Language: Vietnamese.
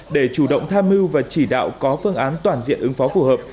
để chủ động tham mưu và chỉ đạo có phương án toàn diện ứng phó phù hợp